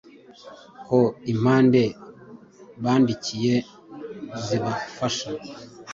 ko impande bandikiye zibafasha.